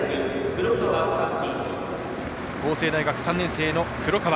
法政大学３年生の黒川。